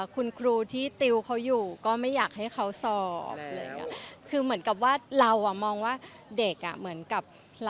คุณครูที่ติวเขาอยู่ก็ไม่อยากให้เขาสอบคือเหมือนกับว่าเราอ่ะมองว่าเด็กอ่ะเหมือนกับ